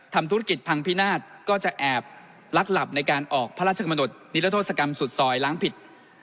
ทำธุรกิจพังพินาศก็จะแอบลักหลับในการออกพระราชกำหนดนิรโทษกรรมสุดซอยล้างผิด